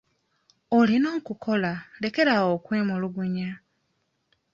Olina okukola lekeraawo okwemulugunya.